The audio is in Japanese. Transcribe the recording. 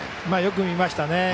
よく見ましたね。